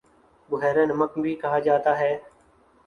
بحیرہ نمک بھی کہا جاتا ہے